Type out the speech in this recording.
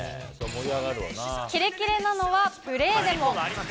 キレキレなのはプレーでも。